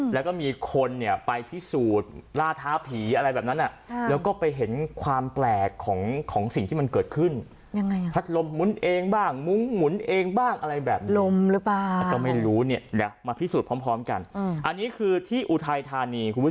แล้วก็มีคนเนี่ยไปพิสูจน์ราธาผีอะไรแบบนั้น